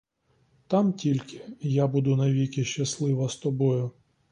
Там тільки я буду навіки щаслива з тобою!